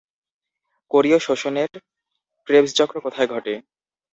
কোরীয় শ্বসনের ক্রেবস চক্র ঘটে কোথায়?